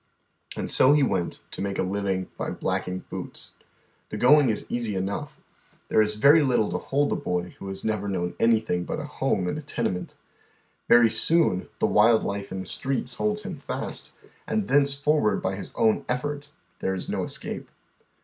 And so he went, to make a living by blacking boots. The going is easy enough. There is very little to hold tlie boy who has never known anything but a home in a tenement. Very soon the wild life in the streets holds him fast, and thenceforward by his own effort there is no escape.